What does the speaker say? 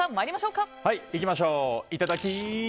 いただき！